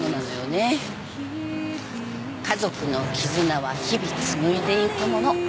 家族の絆は日々紡いでいくもの。